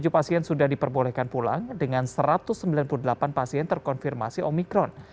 dua ratus tujuh puluh tujuh pasien sudah diperbolehkan pulang dengan satu ratus sembilan puluh delapan pasien terkonfirmasi omikron